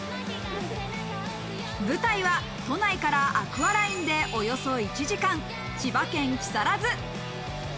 舞台は都内からアクアラインでおよそ１時間、千葉県木更津。